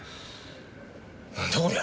何だこりゃ？